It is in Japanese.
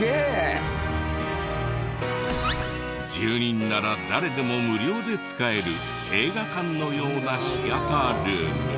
住人なら誰でも無料で使える映画館のようなシアタールーム。